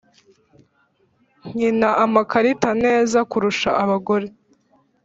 nkina amakarita neza kurusha abagore